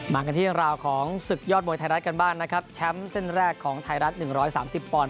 มากันที่ราวของศึกยอดมวยไทยรัฐกันบ้างนะครับแชมป์เส้นแรกของไทยรัฐ๑๓๐ปอนด